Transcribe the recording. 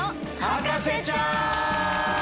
『博士ちゃん』！